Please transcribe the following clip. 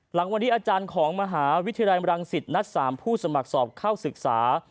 หลังวันนี้อาจารย์ของมหาวิทยาลัยรังสิตนัด๓ผู้สมัครสอบเข้าศึกษา